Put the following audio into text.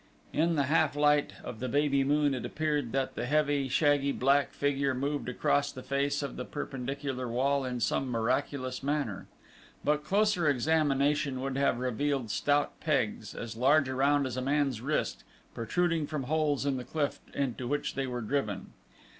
In the half light of the baby moon it appeared that the heavy, shaggy black figure moved across the face of the perpendicular wall in some miraculous manner, but closer examination would have revealed stout pegs, as large around as a man's wrist protruding from holes in the cliff into which they were driven.